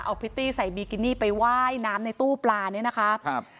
เอาพริตตี้ใส่บิกินี่ไปว่ายน้ำในตู้ปลาเนี่ยนะคะครับ